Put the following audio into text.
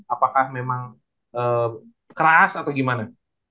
apakah memang keras atau gimana